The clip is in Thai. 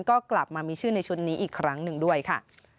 ก็กลับมามีชื่อในชุดนี้อีกครั้งหนึ่งด้วยค่ะ